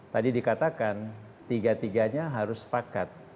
tadi dikatakan tiga tiganya harus sepakat